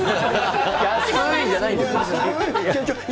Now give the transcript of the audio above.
安ーいじゃないですよ。